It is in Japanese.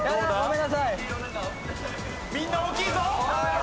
みんな大きいぞ！